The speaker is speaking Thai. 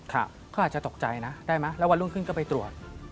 เขาอาจจะตกใจนะได้ไหมแล้ววันรุ่งขึ้นก็ไปตรวจ